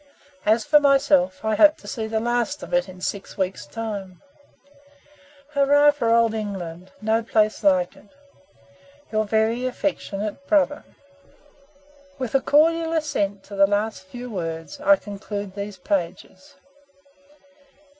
As for myself, I hope to see the last of it in six weeks' time. "Hurrah for Old England! no place like it. "Your very affectionate brother, "" With a cordial assent to the last few words, I conclude these pages.